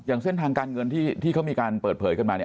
อย่างเส้นทางการเงินที่เขามีการเปิดเผยขึ้นมานี่